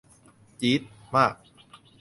จี๊ดมาก